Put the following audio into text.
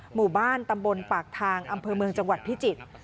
หมู่บ้านตำบลปากทางอำเภอเมืองจังหวัดพิจิตร